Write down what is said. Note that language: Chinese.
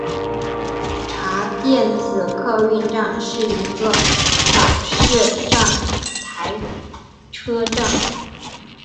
茶店子客运站是一个岛式站台车站。